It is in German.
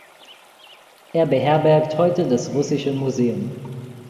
Er beherbergt heute das Russische Museum.